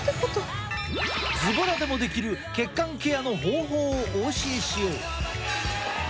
ずぼらでもできる血管ケアの方法をお教えしよう。